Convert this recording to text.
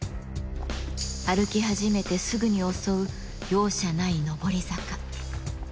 歩き始めてすぐに襲う容赦ない上り坂。